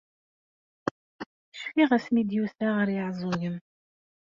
Cfiɣ asmi i d-yusa ɣer Yiɛeẓẓugen.